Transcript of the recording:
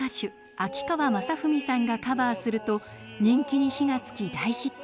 秋川雅史さんがカバーすると人気に火がつき大ヒット。